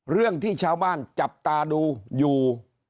เรื่องที่ชาวบ้านจับตาดูอยู่